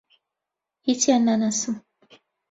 هیچیان ناناسم.